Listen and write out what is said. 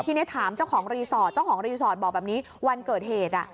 ทีนี้ถามเจ้าของรีสอร์ทเจ้าของรีสอร์ทบอกแบบนี้วันเกิดเหตุ